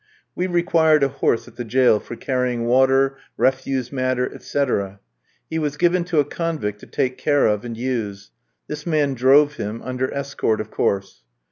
We required a horse at the jail for carrying water, refuse matter, etc. He was given to a convict to take care of and use; this man drove him, under escort, of course.